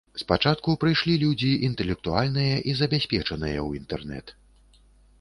Спачатку прыйшлі людзі інтэлектуальныя і забяспечаныя ў інтэрнэт.